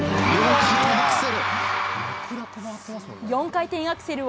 ４回転アクセル。